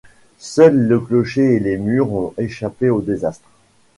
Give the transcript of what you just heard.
Seul le clocher et les murs ont échappé au désastre.